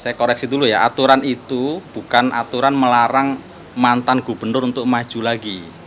saya koreksi dulu ya aturan itu bukan aturan melarang mantan gubernur untuk maju lagi